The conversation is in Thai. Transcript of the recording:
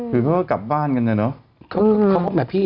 ถือว่ากลับบ้านกันนี่เนอะ